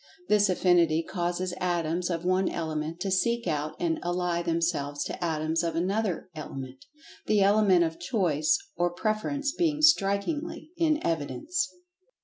This Affinity causes Atoms of one element to seek out and ally themselves to Atoms of another element, the element[Pg 86] of "choice" or "preference" being strikingly in evidence.